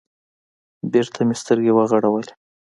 بېرته مې سترگې وغړولې.